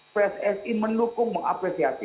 pssi mendukung mengapresiasi